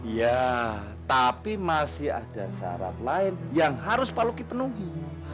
ya tapi masih ada syarat lain yang harus pak lucky penuhi